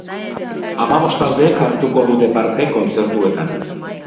Hamabost taldek hartuko dute parte kontzertuetan.